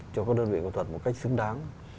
cho các đơn vị nghệ thuật một cách xứng đáng